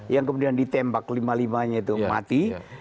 yang kemudian ditembak lima limanya itu mati